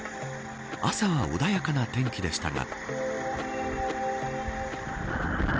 朝は穏やかな天気でしたが。